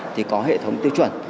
thì có hệ thống tiêu chuẩn